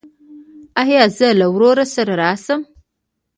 ایا زه له ورور سره راشم؟